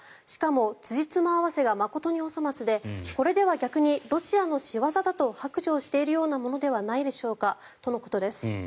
しかもつじつま合わせが誠にお粗末でこれでは逆にロシアの仕業だと白状しているようなものではないでしょうかとのことです。